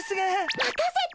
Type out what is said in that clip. まかせて！